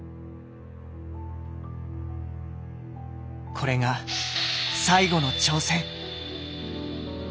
これが最後の挑戦。